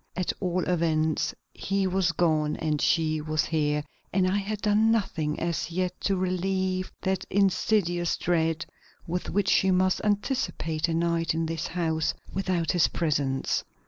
At all events, he was gone and she was here, and I had done nothing as yet to relieve that insidious dread with which she must anticipate a night in this house without his presence.